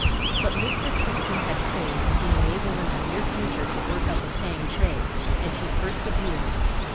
But Mr. Kittson had faith in being able in the near future to work up a paying trade, and he persevered.